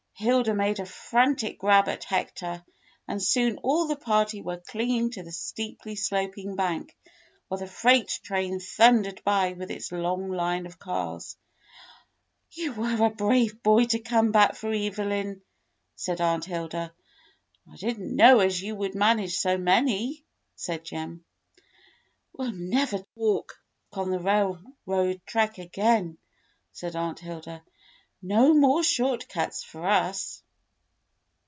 Hilda made a frantic grab at Hector, and soon all the party were clinging to the steeply sloping bank while the freight train thundered by with its long line of cars. "You were a brave boy to come back for Evelyn," said Aunt Hilda. "I did n't know as you could manage so many," said Jim. "We'll never walk on the railroad track again," said Aunt Hilda. "No more short cuts for us."